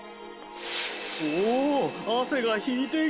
おお汗が引いていく。